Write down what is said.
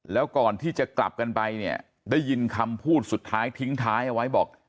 แล้วก่อนที่จะกลับกันไปเนี่ยได้ยินคำพูดสุดท้ายทิ้งท้ายเอาไว้บอก